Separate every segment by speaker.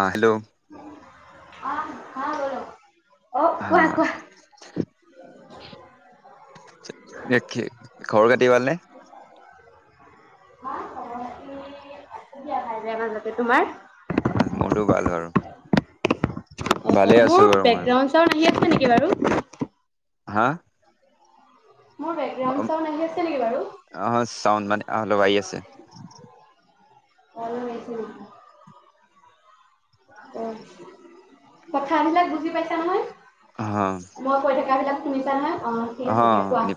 Speaker 1: অঁহ' হেল্ল'।
Speaker 2: [inaudible] অ', কোৱা
Speaker 1: হা'।
Speaker 2: কোৱা।
Speaker 1: খবৰ খাটি ভাল নে?
Speaker 2: [unintelligible] তোমাৰ?
Speaker 1: ভাল, মোৰো ভাল আৰু।
Speaker 2: অ', অ',
Speaker 1: ভালে
Speaker 2: মোৰ
Speaker 1: আছো বাৰু মইয়ো।
Speaker 2: বেকগ্ৰাউণ্ড আহি আছে নেকি বাৰু?
Speaker 1: হা'?
Speaker 2: মোৰ বেকগ্ৰাউণ্ড চাউণ্ড আহি আছে নেকি বাৰু?
Speaker 1: অ চাউণ্ড মানে অলপ আহি আছে
Speaker 2: [unintelligible] অঁ' কথাবিলাক বুজি পাইছা নহয়?
Speaker 1: অ
Speaker 2: মই কৈ থাকাবিলাক শুনিছা নহয়, অঁ' ঠিক
Speaker 1: অ
Speaker 2: আছে দিয়া। কোৱা?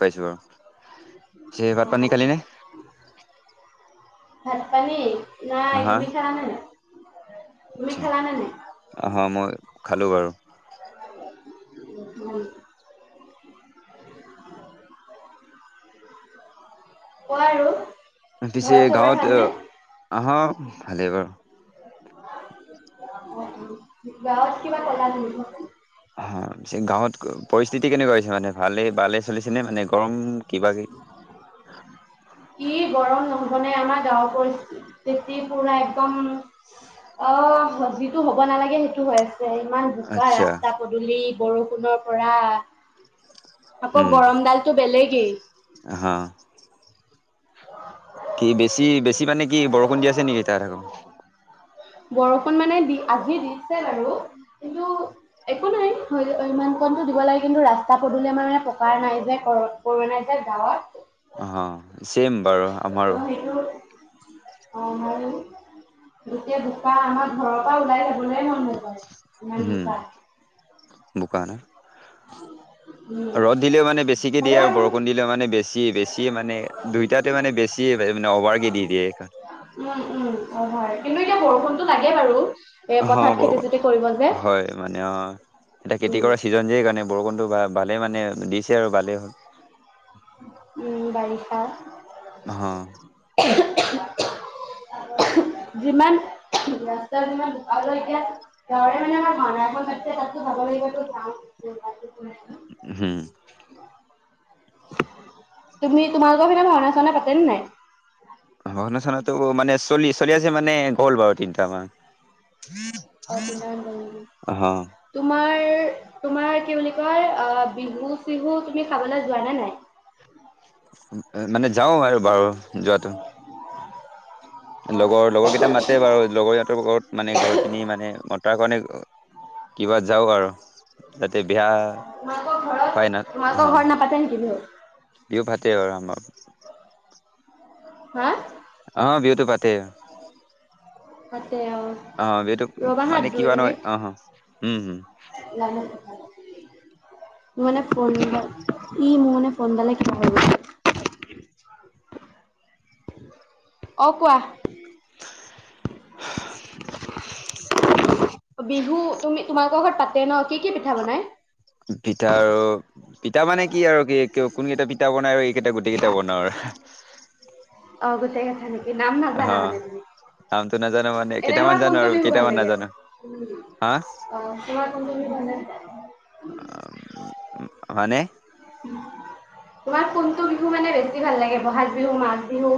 Speaker 2: অ',
Speaker 1: ভাত-পানী
Speaker 2: অ', অ'।
Speaker 1: খালিনে?
Speaker 2: ভাত-পানী নাই।
Speaker 1: হা
Speaker 2: তুমি খালা নে নাই, তুমি খালা নে নাই?
Speaker 1: আহ' হাহ' মই খালোঁ বাৰু।
Speaker 2: [unintelligible] কোৱা আৰু।
Speaker 1: পিছে
Speaker 2: ঘৰত চবৰে
Speaker 1: গাঁৱত
Speaker 2: ভালনে?
Speaker 1: আহা। ভালে বাৰু।
Speaker 2: অ', গাঁৱত কিবা ক'লা [unintelligible]
Speaker 1: অহ', পিছে গাঁৱত পৰিস্থিতি কেনেকুৱা হৈছে? মানে ভালে বালে চলিছে নে? মানে গৰম কিবা
Speaker 2: কি গৰম নহ'বনে, আমাৰ গাঁৱৰ পৰিস্থিতি পূৰা একদম অ', যিটো হ'ব নালাগে সেইটো হৈ আছে। ইমান বোকা
Speaker 1: আচ্ছা
Speaker 2: ৰাস্তা পদূলি বৰষুণৰ পৰা। আকৌ গৰম ডালটো বেলেগেই।
Speaker 1: অহ'। কি বেছি বেছি মানে কি বৰষুণ দি আছে নেকি তাত আকৌ?
Speaker 2: বৰষুণ মানে দি আজি দিছে বাৰু। কিন্তু একো নাই ইমান কণটো দিব লাগে কিন্তু ৰাস্তা পদূলি আমাৰ পকাৰ নাই যে কৰ কৰব নাই ছাৰ গাঁৱত
Speaker 1: অ ছেম বাৰু
Speaker 2: ত
Speaker 1: আমাৰো
Speaker 2: সেইটো অ মই এতিয়া বোকা আমাৰ ঘৰৰ পৰা ওলাই যাবলে মন নোযোৱা হল ইমান
Speaker 1: উম,
Speaker 2: বোকা
Speaker 1: বোকা না
Speaker 2: উম
Speaker 1: ৰদ দিলেও মানে বেছিকে দিয়ে আৰু
Speaker 2: হ'লেও
Speaker 1: বৰষুণ দি মানে বেছি বেছি মানে দুইটাতে মানে বেছি মানে অভাৰ কে দি দিয়ে এইখন
Speaker 2: উম উম অ হয় কিন্তু এতিয়া বৰষুণতটো লাগে বাৰু এ
Speaker 1: অ
Speaker 2: পথাৰত
Speaker 1: বৰ
Speaker 2: খেতি চেতি কৰিব যে
Speaker 1: হয় মানে অ এটা খেতি
Speaker 2: উম
Speaker 1: কৰা ছিজন যে কাৰণে বৰষুণতো ভালেই মানে দিছে আৰু ভালেই হ'ল
Speaker 2: উম বাৰিষা [inaudible]
Speaker 1: অ',
Speaker 2: যিমান ৰাস্তা বিলাক বোকা হয় এতিয়া ত মানে আমাৰ ম এখন তাত তাতো ভাব লাগিবো যা [unintelligible]
Speaker 1: হুম
Speaker 2: [unintelligible] তুমি তোমালোকৰ পিনে ভাওনা চাওনা পাতেনে নাই
Speaker 1: ভাওনা চাওনাটো মানে চলি চলি আছে মানে গ'ল বাৰু তিনটা মান
Speaker 2: অ তিনটামান গ'লনেকি
Speaker 1: অ'।
Speaker 2: তোমাৰ তোমাৰ কি বুলি কয় বিহু চিহু তুমি খাবলৈ যোৱা নে নাই
Speaker 1: মানে যাও আৰু বাৰু যোৱাটো লগৰ লগৰ কেইটা মাতে বাৰু লগৰ ইহঁতৰ ঘৰত মানে গৈ পিনি মানে ম তাৰ কাৰণে কিবা যাওঁ আৰু তাতে বেয়া
Speaker 2: তোমালোকৰ ঘৰত
Speaker 1: ফাইনেল
Speaker 2: তোমালোকৰ
Speaker 1: অ
Speaker 2: ঘৰত নাপাতে নেকি বিহু
Speaker 1: বিহু পাতে আৰু আমাৰ
Speaker 2: হা
Speaker 1: অ বিহুটো পাতে
Speaker 2: পাতে অহ
Speaker 1: অ বিহুটো মানে কি হয় ন অ অ উম হম
Speaker 2: নম [unintelligible] মোৰ মানে ফোন ই মোৰ মানে ফোনডালে কিবা হৈগল অ কোৱা
Speaker 1: [unintelligible]
Speaker 2: বিহু তুমি তোমালোকৰ ঘৰত পাতে ন, কি কি পিঠা বনাই?
Speaker 1: পিঠাৰো পিঠা মানে কি আৰু কি কোন কেইটা পিঠা বনাই আৰু এইকেইটা গোটেই কেইটা বনাও আৰু।
Speaker 2: অ' গোটেই কেইটা নেকি? নাম
Speaker 1: অ
Speaker 2: নাজানা মানে তুমি?
Speaker 1: নামটো নাজানো মানে।
Speaker 2: এনে
Speaker 1: কেইটামান
Speaker 2: তোমাৰ
Speaker 1: জানো
Speaker 2: কোনটো
Speaker 1: আৰু
Speaker 2: বিহু ভাল
Speaker 1: কেইটামান
Speaker 2: লাগে?
Speaker 1: নাজানো। হা
Speaker 2: [unintelligible]
Speaker 1: মানে?
Speaker 2: তোমাৰ কোনটো বিহু মানে বেছি ভাল লাগে? বহাগ বিহু, মাঘ বিহু?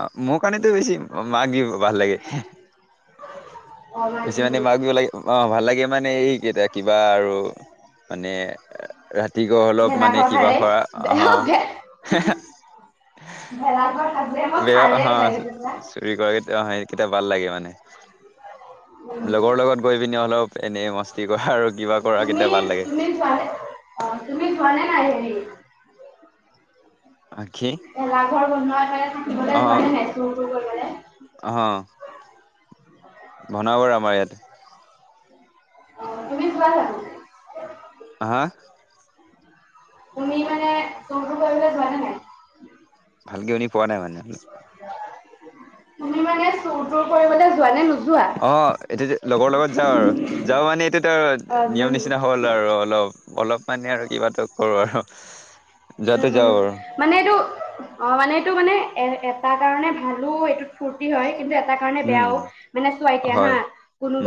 Speaker 1: অ' মোৰ কাৰণেটো বেছি মাঘ বিহু ভাল লাগে। বেছি মানে মাঘ বিহু লাগে, অ' ভাল লাগে মানে এই কেইটা কিবা আৰু মানে ৰাতি গ
Speaker 2: ভেলাঘৰ সাৰে [unintelligible] ভেলাঘৰ সাজ
Speaker 1: [unintelligible] [unintelligible] অ' সেইকেইটা ভাল লাগে মানে লগৰ লগত গৈ পিনি অলপ এনেই মস্তি কৰা আৰু কিবা কৰা
Speaker 2: তুমি
Speaker 1: কিটা ভাল লাগে।
Speaker 2: [unintelligible] অ' তুমি যোৱা নে নাই হেৰি?
Speaker 1: আহ, কি?
Speaker 2: ভেলাঘৰ বনোৱাৰ কাৰণে থাকিবলৈ
Speaker 1: অ
Speaker 2: যোৱা নাই নাই চুৰ কৰিবলৈ
Speaker 1: অ'। বনাও বাৰু আমাৰ ইয়াত।
Speaker 2: অ' তুমি [unintelligible]
Speaker 1: হা?
Speaker 2: তুমি মানে চোৰ টোৰ কৰিবলৈ যোৱা নে নাই?
Speaker 1: ভালকে শুনি পোৱা নাই মানে।
Speaker 2: তুমি মানে চোৰ টোৰ কৰিবলৈ যোৱা নে নোযোৱা?
Speaker 1: অ' এইটো যে লগৰ লগত যাওঁ আৰু। যাওঁ মানে এইটো
Speaker 2: অ
Speaker 1: আৰু
Speaker 2: যোৱা
Speaker 1: নিয়ম
Speaker 2: নেকি?
Speaker 1: নিচিনা হ'ল আৰু অলপ। অলপ মানে আৰু কিবাটো কৰোঁ আৰু।
Speaker 2: উম,
Speaker 1: যোৱাটো
Speaker 2: উম।
Speaker 1: যাওঁ আৰু
Speaker 2: মানে এইটো, অ' মানে এইটো মানে এটা কাৰণে ভালো এইটোত ফূৰ্তি হয় কিন্তু এটা কাৰণে
Speaker 1: উম
Speaker 2: বেয়াও মানে চোৱা এতিয়া
Speaker 1: হয়
Speaker 2: হা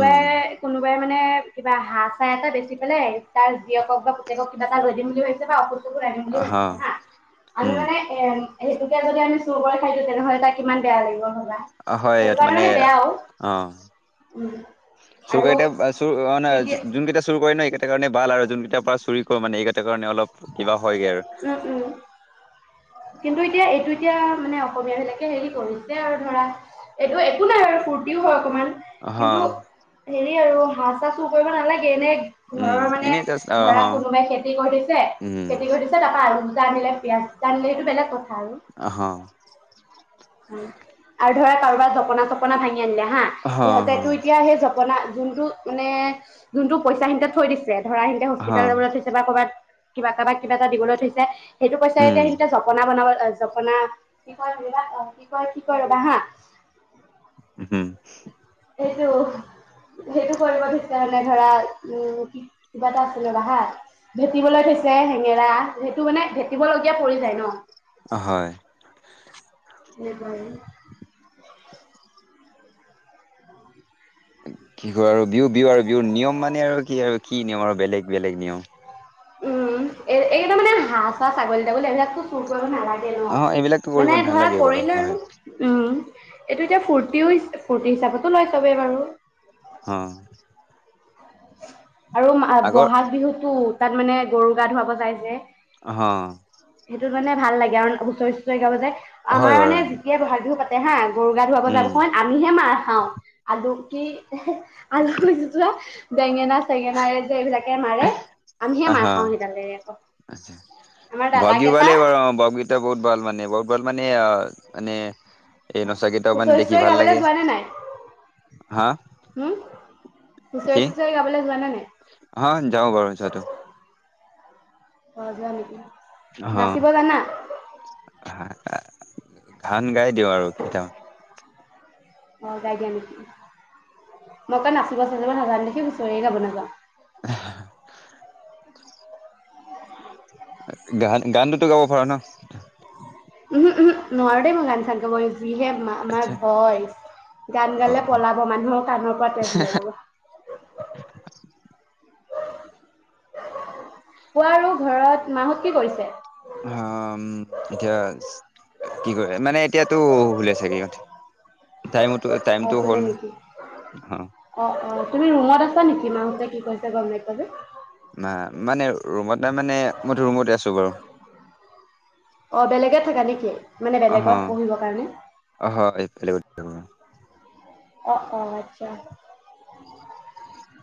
Speaker 1: উম
Speaker 2: কোনোবাই মানে কিবা হাঁহ চাহ এটা বেচি পেলাই তাৰ জীয়েকক বা পুতেকক কিবা এটা লৈ দিম বুলি ভাবিছে বা [unintelligible] [unintelligible] ভাবিছে হা আমি
Speaker 1: উম
Speaker 2: মানে এ সেইটোকে যদি আমি চোৰ কৰি খাই দিও তেনেহ'লে তাৰ কিমান বেয়া লাগিব ন।
Speaker 1: হয়
Speaker 2: সেইটো
Speaker 1: ইয়াত
Speaker 2: কাৰণে মানে বেয়াও উম। আৰু
Speaker 1: চোৰকেইটা চোৰ অ' ন
Speaker 2: এতিয়া
Speaker 1: যোনকেইটা চোৰ কৰে ন এইকেইটা কাৰণে ভাল আৰু যোন কেইটাৰ পৰা চুৰি কৰে মানে এইকেইটাৰ কাৰণে অলপ কিবা হয়গে আৰু। [inaudible]
Speaker 2: উম উম কিন্তু এতিয়া এইটো এতিয়া মানে অসমীয়া বিলাকে হেৰি কৰিছে আৰু ধৰা এইটো একো নাই আৰু ফূৰ্তিও হয় অকণমান। কিন্তু
Speaker 1: অ
Speaker 2: হেৰি আৰু হাঁহ চাহ চোৰ কৰিব নালাগে এনে ঘৰৰ মানে ধৰা কোনোবাই খেতি কৰি থৈছে,
Speaker 1: উম
Speaker 2: খেতি কৰি থৈছে তাৰপৰা আলু দুটা আনিলে, পিয়াঁজ দুটা আনিলে সেইটো বেলেগ কথা আৰু।
Speaker 1: অহ।
Speaker 2: আৰু ধৰা কাৰোবাৰ জপনা চপনা ভাঙি আনিলে হা
Speaker 1: আহা আহা
Speaker 2: সিহঁতেটো এতিয়া সেই জপনা যোনটো মানে, যোনটো পইচা সিহঁতে থৈ দিছে ধৰা সিহঁতে
Speaker 1: আহা
Speaker 2: হস্পিতেল যাবলৈ থৈছে বা, ক'বাত কিবা কা'বাক কিবা এটা দিবলৈ থৈছে। সেইটো পইচা এতিয়া
Speaker 1: উম
Speaker 2: সিখিনিতে জপনা বনাব জপনা কি কয় বিলাক অ কি কয় কি কয় ৰবা হা
Speaker 1: হুম
Speaker 2: এইটো সেইটো কৰিব থৈছে মানে ধৰা উম কিবা এটা আছিলে ৰবা হা ভেটিবলৈ থৈছে হেঙেৰা, সেইটো মানে ভেটিবলগীয়া পৰি যায় ন।
Speaker 1: অ হয়
Speaker 2: [unintelligible]
Speaker 1: কি কয় আৰু বিহু বিহু আৰু বিহুৰ নিয়ম মানে আৰু কি আৰু কি নিয়ম আৰু বেলেগ বেলেগ নিয়ম
Speaker 2: উম, এই, এই তাৰ মানে হাঁহ-চহাঁ ছাগলী-তাগলী এইবিলাক খুব - চুৰ কৰিব নালাগে ন
Speaker 1: অ এইবিলাকতো কৰিব
Speaker 2: মানে ধৰা
Speaker 1: নালাগে বাৰু
Speaker 2: কৰিলে
Speaker 1: হয়
Speaker 2: আৰু উম, এইটো এতিয়া ফূৰ্তিও, ফূৰ্তি হিচাপতো লয় চবে বাৰু।
Speaker 1: অ
Speaker 2: আৰু মা
Speaker 1: আগৰ
Speaker 2: বহাগ বিহুতো তাত মানে গৰু গা ধুৱাব যায় যে
Speaker 1: অঁহ
Speaker 2: সেইটো কাৰণে ভাল লাগে আৰু হুঁচৰি-চুঁচৰি গাব যে।
Speaker 1: হয়
Speaker 2: আমাৰ
Speaker 1: বাৰু
Speaker 2: মানে যেতিয়া বহাগ বিহু পাতে হা, গৰু গা ধুৱাব
Speaker 1: উম
Speaker 2: যাবখন- আমিহে মাৰ খাওঁ আলু কি [unintelligible] বেঙেনা চেঙেনাৰে যে এইবিলাকে মাৰে। আমিহে মাৰ খাওঁ
Speaker 1: হ',
Speaker 2: সেইডালেৰে আকৌ
Speaker 1: [unintelligible] আ',
Speaker 2: আমাৰ
Speaker 1: বহাগ বিহুত।
Speaker 2: দাদাকেইটা
Speaker 1: এতিয়া বহুত ভাল মানে বহুত ভাল মানে অ মানে এই নচাকেইটাও মানে
Speaker 2: হুঁচৰি
Speaker 1: দেখি
Speaker 2: চুচৰি
Speaker 1: ভাল
Speaker 2: গাবলৈ
Speaker 1: লাগে
Speaker 2: যোৱা
Speaker 1: হা
Speaker 2: হুউ হুঁচৰি চুঁচৰি গাবলৈ যোৱা নে নাই
Speaker 1: হা যাওঁ বাৰু যোৱাটো
Speaker 2: অ যোৱা নেকি
Speaker 1: হ'
Speaker 2: নাচিব জানা
Speaker 1: ঘান গাই দিওঁ আৰু কেইটামান।
Speaker 2: অঁ গাই দিয়া নিচিনা, মই আকৌ নাচিব-চাচিব নাজানো দেখি হুঁচৰিয়ে গাব নাযাওঁ
Speaker 1: [unintelligible] গান-গানটোতো গাব পৰা ন'।
Speaker 2: উমহু' উমহু' নোৱাৰো দেই মই গান চান খাবলে, যিহে মাত। আমাৰ
Speaker 1: আচ্ছা
Speaker 2: ভইচ গান
Speaker 1: অ
Speaker 2: গালে পলাব মানুহৰ কাণৰ পৰা তেজ ওলাই যাব কোৱা ৰু ঘৰত মাহঁত কি কৰিছে?
Speaker 1: হম এতিয়া কি কৰে মানে এতিয়াতো শুলে ছাগে ইহঁতে টাইমতো টাইমটো
Speaker 2: অ
Speaker 1: হ'ল
Speaker 2: শুলে
Speaker 1: ন
Speaker 2: নেকি
Speaker 1: অ
Speaker 2: অ অ তুমি ৰুমত আছা নেকি, মাহতে কি কৰিছে গম নাইপোৱা যে?
Speaker 1: না মানে ৰুমত নাই মানে মইটো ৰুমতে আছো বাৰু
Speaker 2: অহ, বেলেগেত থাকা নেকি? মানে
Speaker 1: অ
Speaker 2: বেলেগত পঢ়িব কাৰণে।
Speaker 1: [unintelligible]
Speaker 2: অ' অ' আচ্ছা।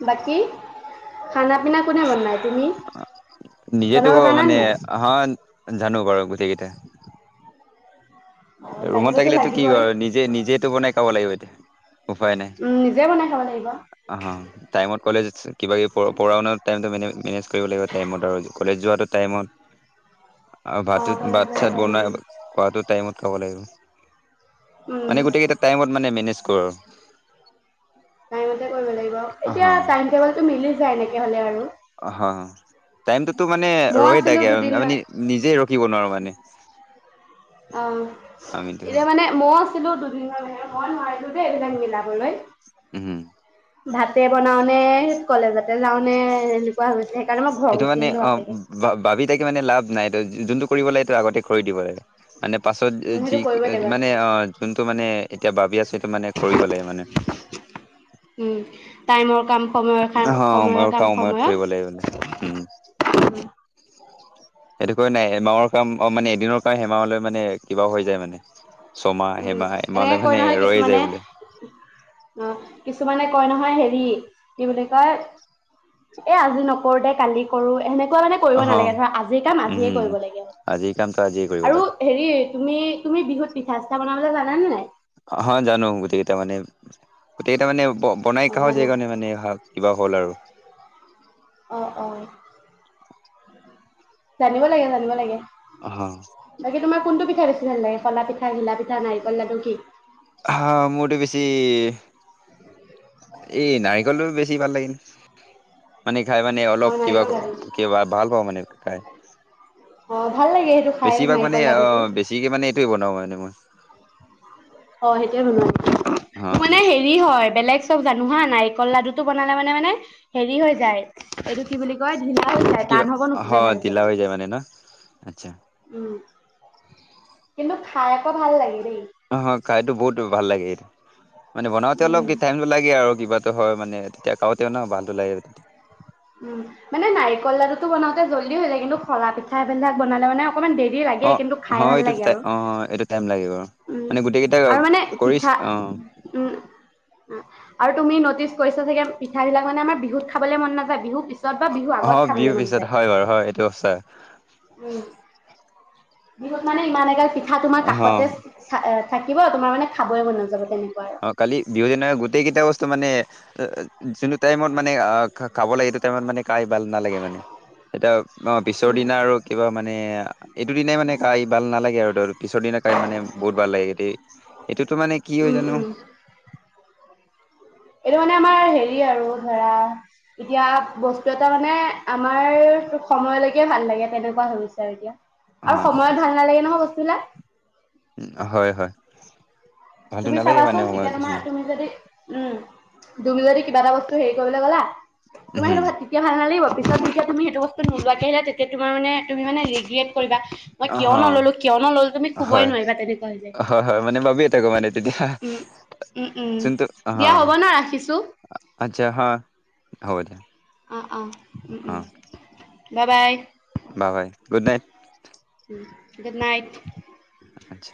Speaker 2: বাকী খানা-পিনা? কোনে বনাই তুমি, বনাব জানানে নাই?
Speaker 1: অ'হ জানো বাৰু গোটেই কেইটা
Speaker 2: অ
Speaker 1: ৰুমত
Speaker 2: জানিবতো
Speaker 1: থাকিলেতো কি
Speaker 2: লাগিবই।
Speaker 1: হয়, নিজ- জে, নিজেতো বনাই খাব লাগিব এতিয়া। উপায় নাই।
Speaker 2: উম নিজে বনাই খাব লাগিব।
Speaker 1: হ'। টাইমত কলেজ কিবাকিবি প-পঢ়া-শুনা টাইমটো মেনে-মেনেজ কৰিব লাগিব টাইমত আৰু। কলেজ যোৱাটো টাইমত - [inaudible] আৰু ভাতত ভাত চাত বনাই খোৱাটো টাইমত খাব লাগিব
Speaker 2: উম
Speaker 1: মানে গোটেই কেইটা টাইমত মানে মেনেজ কৰোঁ আৰু
Speaker 2: টাইমতে কৰিব লাগিব এতিয়া
Speaker 1: হা
Speaker 2: টাইম টেবুলটো মিলি যায় এনেকে হ'লে আৰু
Speaker 1: অ হ টাইমটোতো মানে
Speaker 2: মই
Speaker 1: ৰয়ে
Speaker 2: আছিলো
Speaker 1: থাকে আৰু
Speaker 2: দুদিন
Speaker 1: আমি নিজে ৰখিব নোৱাৰো মানে
Speaker 2: অ
Speaker 1: আমিতো
Speaker 2: এতিয়া মানে মই আছিলোঁ দুদিন মান মই নোৱাৰিলোঁ দেই টাইম মিলাবলৈ
Speaker 1: উম
Speaker 2: ভাতে বনাওনে কলেজতে যাওঁ নে এনেকুৱা হৈ গৈছিলে সেইকাৰণে মই ঘৰ গুচি আহিলোঁ বাপেকে
Speaker 1: ভা ভাবি থাকি মানে লাভ নাই এইটো যোনটো কৰিব লাগে সেইটো আগতে কৰি দিব লাগে মানে পাছত
Speaker 2: উম
Speaker 1: যি
Speaker 2: সেইটো কৰিবই লাগিব
Speaker 1: মানে অ যোনটো মানে এতিয়া ভাবি আছো সেইটো মানে কৰিব লাগে মানে
Speaker 2: উম টাইমৰ কাম সময়ৰ সময়ৰ কাম
Speaker 1: কৰিব
Speaker 2: সময়ত
Speaker 1: লাগে উম
Speaker 2: উম
Speaker 1: সেইটো কাৰণে এমাহৰ কাম অ মানে এদিনৰ কাম এমাহলে মানে কিবা হৈ যায় মানে ছমাহ
Speaker 2: উম,
Speaker 1: এমাহ এমাহলে
Speaker 2: এনেকে কয়
Speaker 1: মানে
Speaker 2: নহয়
Speaker 1: ৰৈ
Speaker 2: কিছুমানে
Speaker 1: যায় বোলে
Speaker 2: অ কিছুমানে কয় নহয় হেৰি কি বুলি কয় এ আজি নকৰোঁ দে কালি কৰো সেনেকুৱা মানে কৰিব
Speaker 1: অহ
Speaker 2: নালাগে ধৰা আজিৰ কাম আজিয়ে
Speaker 1: উম
Speaker 2: কৰিব লাগে
Speaker 1: আজিৰ কামটো আজিয়ে কৰিব
Speaker 2: আৰু
Speaker 1: লাগে
Speaker 2: হেৰি তুমি তুমি বিহুত পিঠা চিঠা বনাবলে জানা নে নাই
Speaker 1: অহ জানো গোটেই কেইটা মানে গোটেই কেইটা মানে ব বনাই
Speaker 2: অ'
Speaker 1: খাওঁ যে
Speaker 2: জানা।
Speaker 1: সেই কাৰণে মানে ভাগ কিবা হ'ল আৰু
Speaker 2: অ অ জানিব লাগে জানিব লাগে
Speaker 1: অ হ
Speaker 2: বাকী তোমাৰ কোনটো পিঠা বেছি ভাল লাগে খোলা পিঠা, ঘিলা পিঠা, নাৰিকল লাডু কি
Speaker 1: হা মোৰতো বেছি এই নাৰিকল লাডু বেছি ভাল লাগে মানে খাই মানে অলপ
Speaker 2: অ'
Speaker 1: কিবা
Speaker 2: নাৰিকল লাডু।
Speaker 1: কিবা ভাল পাওঁ মানে খাই
Speaker 2: অ ভাল লাগে সেইটো খাই
Speaker 1: বেছিভাগ মানে
Speaker 2: নাৰিকল
Speaker 1: অ
Speaker 2: লাডুটো
Speaker 1: বেছিকে মানে এইটোয়ে বনাব জানো মই
Speaker 2: অ সেইটোয়ে বনাও
Speaker 1: অ
Speaker 2: মানে হেৰি হেৰি হয় বেলেগ চব জানো হা নাৰিকল লাডুটো বনালে মানে মানে হেৰি হৈ যায় এইটো কি বুলি কয় ঢিলা হৈ যায় টান হ'ব নোখোজে ভালকে মানে
Speaker 1: সেইটোৱে মানে ন আচ্ছা
Speaker 2: উম কিন্তু খাই আকৌ ভাল লাগে দেই
Speaker 1: অ খাইতো বহুত ভাল লাগে এইটো মানে বনাওঁতে অলপ
Speaker 2: উম
Speaker 1: টাইম লাগে আৰু কিবা হয় মানে তেতিয়া খাওঁতে ন ভালটো লাগে আৰু তেতিয়া
Speaker 2: উম মানে নাৰিকল লাডুটো বনাওঁতে জল্দি হৈ যায় কিন্তু খোলা পিঠা এইবিলাক বনালে মানে অকমাণ দেৰি লাগে
Speaker 1: অ
Speaker 2: কিন্তু খাই
Speaker 1: হয়
Speaker 2: ভাল
Speaker 1: এইটো
Speaker 2: লাগে
Speaker 1: টাই
Speaker 2: আৰু
Speaker 1: অ এইটো টাইম লাগিব
Speaker 2: উম
Speaker 1: মানে গোটেই কেইটা
Speaker 2: আৰু মানে
Speaker 1: কৰিছ
Speaker 2: পিঠা
Speaker 1: অ
Speaker 2: উম আৰু তুমি নটিচ কৰিছা চাগে পিঠা বিলাক মানে আমাৰ বিহুত খাবলে মন নাযায় নাযায় বিহুৰ পিছত বা বিহু
Speaker 1: অ
Speaker 2: আগত
Speaker 1: বিহুৰ
Speaker 2: খাবলে মন
Speaker 1: পিছত
Speaker 2: যায়
Speaker 1: হয় বাৰু হয় [unintelligible]
Speaker 2: উ, বিহুত মানে ইমান এগাল পিঠা তোমাৰ
Speaker 1: অ
Speaker 2: কাষতে থাকিব, তোমাৰ মানে খাবই মন নাযাব তেনেকুৱা। আৰু।
Speaker 1: অ', কালি বিহু দিনা গোটেই কেইটা বস্তু মানে যোনটো টাইমত মানে আহ খাব লাগে, সেইটো টাইমত মানে খাই ভাল নালাগে মানে। এতিয়া অ', পিছৰ দিনা আৰু কিবা মানে এইটো দিনাই মানে কাই ভাল নালাগে আৰু পিছৰ দিনা কাই মানে বহুত ভাল লাগে এ এইটোতো মানে কি হয়
Speaker 2: উম
Speaker 1: জানো
Speaker 2: উম এইটো মানে আমাৰ হেৰি দি আৰু ধৰা এতিয়া বস্তু এটা মানে আমাৰ সময়লৈকে ভাল লাগে তেনেকুৱা হৈছে আৰু এতিয়া। আৰু
Speaker 1: হয়
Speaker 2: সময়ত ভাল নালাগে নহয় বস্তুবিলাক।
Speaker 1: উ হয় হয়। ভালতো
Speaker 2: তুমি
Speaker 1: নালাগে মানে
Speaker 2: চাবাচোন এতিয়া
Speaker 1: সময়ত
Speaker 2: তোমাৰ
Speaker 1: কিছুমান
Speaker 2: তুমি যদি উম, তুমি যদি কিবা এটা বস্তু হেৰি কৰিবলৈ গলা, তোমাৰ
Speaker 1: উম
Speaker 2: সেইটো তেতিয়া ভাল নালাগিব পিছত যেতিয়া তুমি সেইটো বস্তুো [unintelligible] তেতিয়া তমাৰ মে তুমি মানে ৰিগ্ৰেট কৰিবা। মই
Speaker 1: অ
Speaker 2: কিয় নললো, কিয় নললো তুমি
Speaker 1: হয়
Speaker 2: শুবই নোৱাৰিবা তেনেকুৱা হৈছে যে
Speaker 1: হয় হয়, মানে ভাবিয়ে থাকো মানে তেতিয়া
Speaker 2: উম, উম,
Speaker 1: জোনটো,
Speaker 2: দিয়া
Speaker 1: অ'।
Speaker 2: হ'ব ন ৰাখিছোঁ।
Speaker 1: আচ্ছা হা হ'ব দিয়া।
Speaker 2: অ', অ', উম,
Speaker 1: অ
Speaker 2: উম, bye bye.
Speaker 1: Bye bye, good night.
Speaker 2: Good night.
Speaker 1: আতছা।